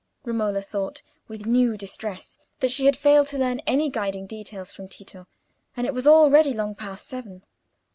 Romola thought, with new distress, that she had failed to learn any guiding details from Tito, and it was already long past seven.